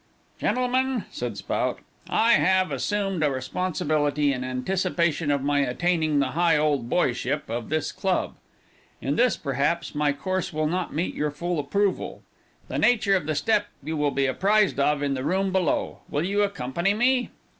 "Gentlemen," said Spout, "I have assumed a responsibility, in anticipation of my attaining the Higholdboyship of this club. In this, perhaps, my course will not meet with your full approval; the nature of the step you will be apprised of in the room below. Will you accompany me?"